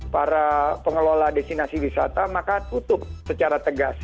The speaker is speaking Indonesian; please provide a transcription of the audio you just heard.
para pengelola destinasi wisata maka tutup secara tegas